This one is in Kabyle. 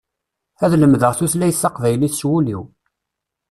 Ad lemdeɣ tutlayt taqbaylit s wul-iw.